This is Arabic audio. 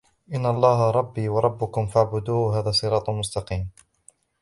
إن الله ربي وربكم فاعبدوه هذا صراط مستقيم